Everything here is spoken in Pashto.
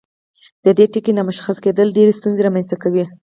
د دې ټکي نامشخص کیدل ډیرې ستونزې رامنځته کوي.